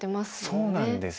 そうなんですよ。